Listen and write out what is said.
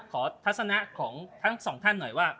ทัศนะของทั้งสองท่านหน่อยว่า